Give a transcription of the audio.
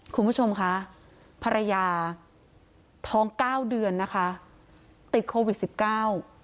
คุณผู้ชมคะภรรยาท้องเก้าเดือนนะคะติดโควิดสิบเก้า